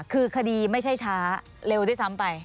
คือคดีไม่ใช่ช้าเร็วด้วยซ้ำไป